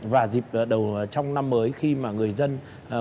và dịp đầu trong năm mới khi mà người dân